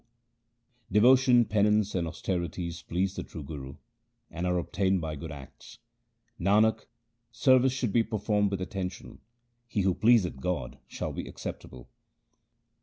168 THE SIKH RELIGION Devotion, penance, and austerities please the true Guru, and are obtained by good acts. Nanak, service should be performed with attention ; he who pleaseth God shall be acceptable.